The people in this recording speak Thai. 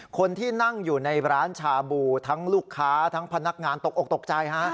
คนที่นั่งอยู่ในร้านชาบูทั้งลูกค้าทั้งพนักงานตกออกตกใจฮะ